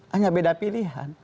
hanya beda pilihan